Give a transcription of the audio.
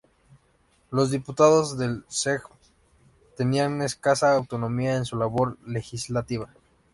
Los diputados del Sejm tenían escasa autonomía en su labor legislativa.